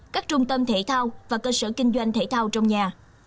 các trung tâm thể thao và cơ sở kinh doanh thể thao trong nhà